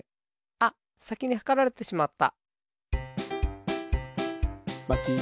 あっさきにはかられてしまった。